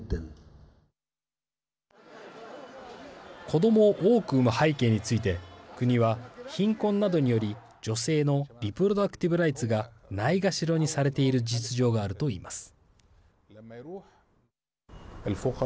子どもを多く産む背景について国は貧困などにより女性のリプロダクティブ・ライツがないがしろにされている実情があると言います。